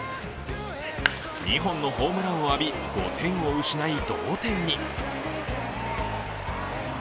２本のホームランを浴び５点を失い同点に。